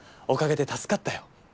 おかげで助かったよ。